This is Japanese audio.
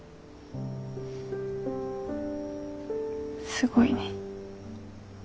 すごいね。